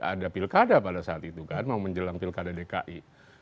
ada pilkada pada saat itu kan mau menjelang pilkada dki